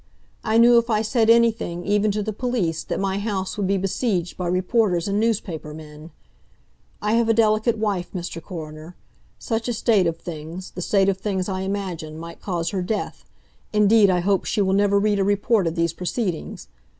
I knew if I said anything, even to the police, that my house would be besieged by reporters and newspaper men. ... I have a delicate wife, Mr. Coroner. Such a state of things—the state of things I imagine—might cause her death—indeed, I hope she will never read a report of these proceedings.